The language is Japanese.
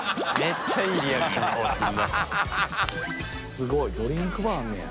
すごいドリンクバーあんのや。